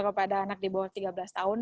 kepada anak di bawah tiga belas tahun